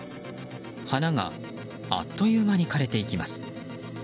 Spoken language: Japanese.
花があっという間に枯れていきます。